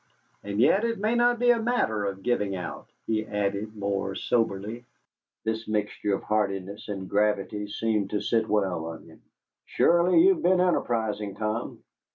"And yet it may not be a matter of giving out," he added more soberly. This mixture of heartiness and gravity seemed to sit well on him. "Surely you have been enterprising, Tom.